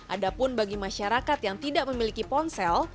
adapun bagi masyarakat yang tidak memiliki ponsel